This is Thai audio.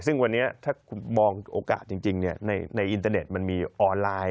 ซึ่งวันนี้ถ้าคุณมองโอกาสจริงในอินเตอร์เน็ตมันมีออนไลน์